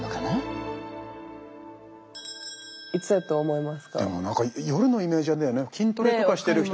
いつやと思いますか？